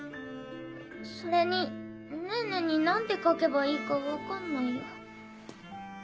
それにねぇねに何て書けばいいか分かんないよ。